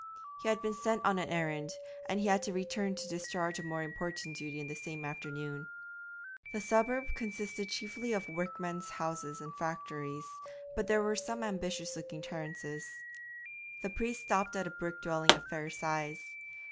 He had been sent on an errand, and had to return to discharge a more important duty in the same afternoon. The suburb consisted chiefly of workmen's houses and factories, but there were some ambitious looking terraces. The priest stopped at a brick dwelling of fair size.